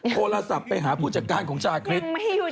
โทรศัพท์ไปหาผู้จัดการของชาคริส